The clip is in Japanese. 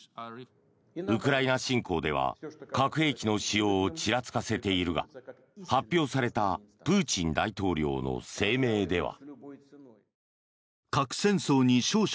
ウクライナ侵攻では核兵器の使用をちらつかせているが発表されたプーチン大統領の声明では。